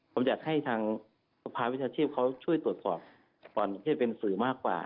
ผมอยากให้ทางสภาวิชาชีพเขาช่วยตรวจสอบก่อนที่จะเป็นสื่อมากกว่า